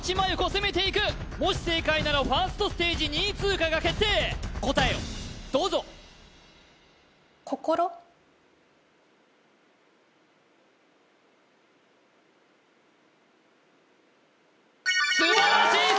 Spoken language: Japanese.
攻めていくもし正解ならファーストステージ２位通過が決定答えをどうぞ素晴らしい！